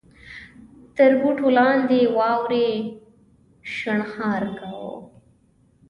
تر بوټو لاندې واورې شڼهار کاوه.